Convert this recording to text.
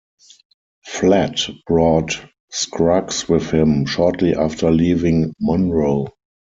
Flatt brought Scruggs with him shortly after leaving Monroe.